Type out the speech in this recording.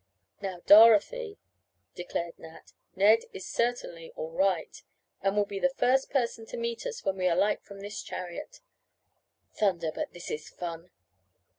"Now, Dorothy," declared Nat, "Ned is certainly all right, and will be the first person to meet us when we alight from this chariot. Thunder, but this is fun!"